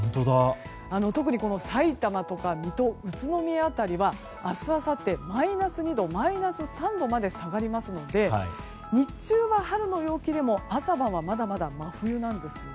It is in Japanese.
特にさいたまと水戸宇都宮辺りは明日、あさってマイナス２度、マイナス３度まで下がりますので日中は春の陽気でも朝晩は、まだまだ真冬なんです。